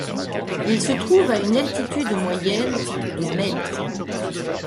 Il se trouve à une altitude moyenne de mètres.